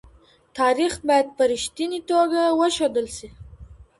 تاريخ بايد په رښتينې توګه وښودل سي.